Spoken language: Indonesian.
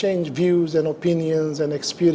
hanya untuk bergantung dengan pandangan